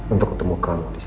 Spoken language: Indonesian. untuk ketemu kamu disini